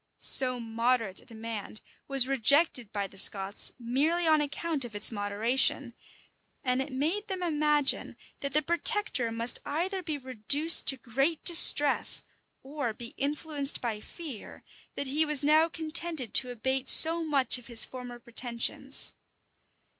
So moderate a demand was rejected by the Scots merely on account of its moderation; and it made them imagine that the protector must either be reduced to great distress, or be influenced by fear, that he was now contented to abate so much of his former pretensions.